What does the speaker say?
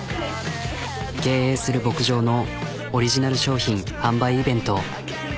経営する牧場のオリジナル商品販売イベント。